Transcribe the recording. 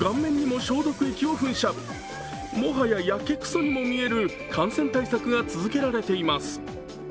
もはや、やけくそにも見える感染対策が続けられています。